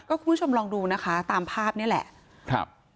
คุณผู้ชมลองดูนะคะตามภาพนี่แหละครับ